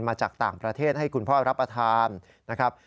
มาจากต่างประเทศให้คุณพ่อรับประทานนะครับ